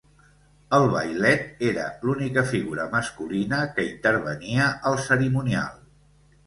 El vailet era l'única figura masculina que intervenia al cerimonial.